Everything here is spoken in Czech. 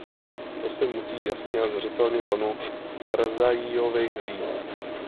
To se musí jasně a zřetelně panu Karzáíovi říct!